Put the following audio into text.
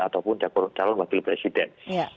ataupun calon wakil presiden